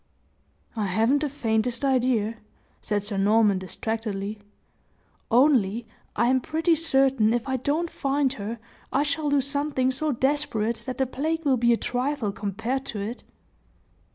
"I haven't the faintest idea," said Sir Norman, distractedly; "only I am pretty certain, if I don't find her, I shall do something so desperate that the plague will be a trifle compared to it!"